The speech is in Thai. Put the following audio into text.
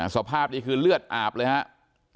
สภาพนี้คือเลือดอาบเลยครับ